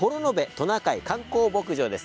トナカイ観光牧場です。